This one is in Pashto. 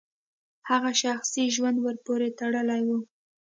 هغه شخصي ژوند ورپورې تړلی و.